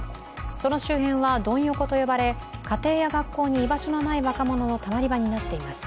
その周辺はドン横と呼ばれ、家庭や学校に居場所のない若者のたまり場になっています。